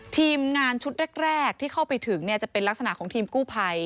ทีมงานชุดแรกที่เข้าไปถึงจะเป็นลักษณะของทีมกู้ภัย